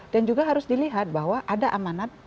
dan juga harus dilihat bahwa ada amanat